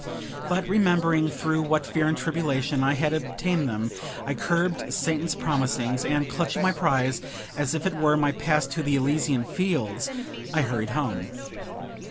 But, remembering through what fear and tribulation I had obtained them, I curbed Satan's promptings, and, clutching my prize, as if it were my pass to the Elysian Fields, I hurried home.